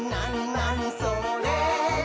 なにそれ？」